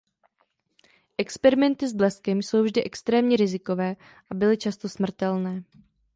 Experimenty s bleskem jsou vždy extrémně rizikové a byly často smrtelné.